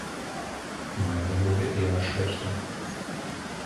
Meine wurde eher schlechter.